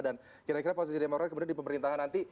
dan kira kira posisi demokrat kemudian di pemerintahan nanti